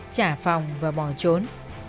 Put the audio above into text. trả phòng và bỏ trốn